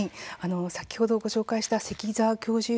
先ほどご紹介した関沢教授